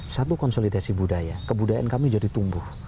satu konsolidasi budaya kebudayaan kami jadi tumbuh